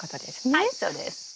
はいそうです。